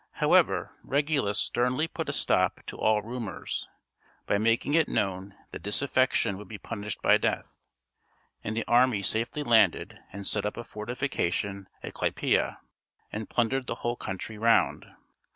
However, Regulus sternly put a stop to all murmurs, by making it known that disaffection would be punished by death, and the army safely landed, and set up a fortification at Clypea, and plundered the whole country round.